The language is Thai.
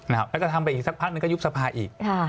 แล้วจะทำไปอีกสักพักนึงก็ยุบสภาอีก